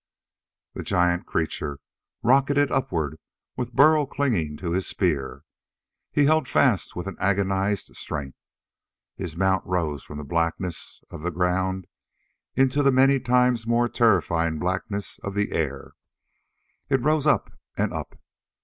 The giant creature rocketed upward with Burl clinging to his spear. He held fast with an agonized strength. His mount rose from the blackness of the ground into the many times more terrifying blackness of the air. It rose up and up.